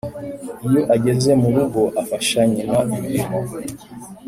iyo ageze murugo afasha nyina imirimo